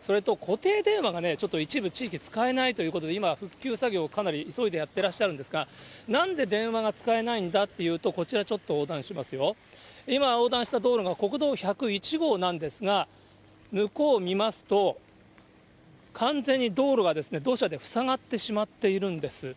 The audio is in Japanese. それと固定電話がちょっと一部地域で使えないということで、復旧作業かなり急いでやってらっしゃるんですが、なんで電話が使えないんだというと、ちょっとこちら横断しますよ、今、横断した道路が国道１０１号なんですが、向こうを見ますと、完全に道路が土砂で塞がってしまっているんです。